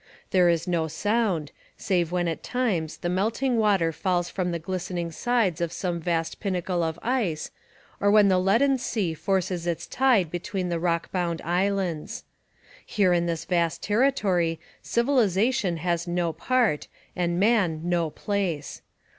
There is no sound, save when at times the melting water falls from the glistening sides of some vast pinnacle of ice, or when the leaden sea forces its tide between the rock bound islands. Here in this vast territory civilization has no part and man no place.